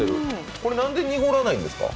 これ何で濁らないんですか？